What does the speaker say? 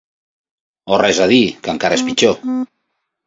O res a dir, que encara és pitjor.